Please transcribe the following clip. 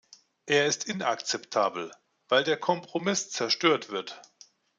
Er ist inakzeptabel, weil der Kompromiss zerstört wird.